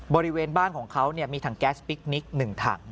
บริเวณบ้านของเขามีถังแก๊สพิคนิค๑ถัง